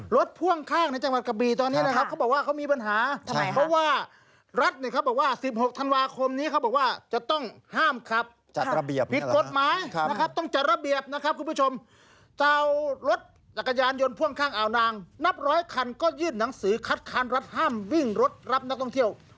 รถพ่วงข้างในจังหวัดกะบี